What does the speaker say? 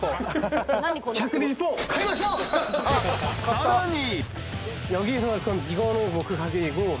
［さらに］